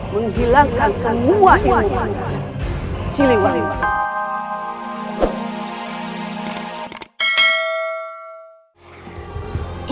menghilangkan semua ilmu siliwari